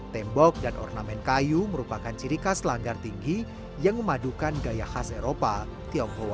tembok dan ornamen kayu merupakan ciri khas langgar tinggi yang memadukan gaya khas eropa tionghoa